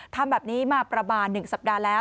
ทำแบบนี้มาประบาทหนึ่งสัปดาห์แล้ว